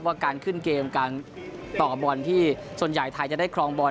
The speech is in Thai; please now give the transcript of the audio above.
ว่าการขึ้นเกมการต่อบอลที่ส่วนใหญ่ไทยจะได้ครองบอล